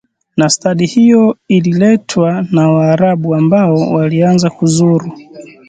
na stadi hiyo ililetwa na Waarabu ambao walianza kuzuru